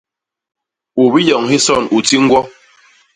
U biyoñ hison u ti ñgwo.